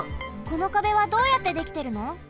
この壁はどうやってできてるの？